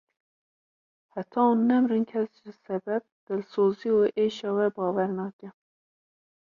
Heta hûn nemirin kes ji sebeb, dilsozî û êşa we bawer nake.